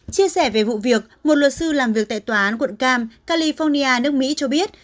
chia sẻ về vụ việc một luật sư làm việc tại tòa án quận cam california nước mỹ cho biết